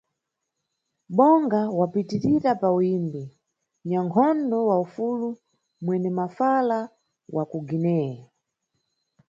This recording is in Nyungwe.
Bonga wapitirira pa uyimbi, nʼnyankhondo wa ufulu - mwene mafala wa ku Guiné.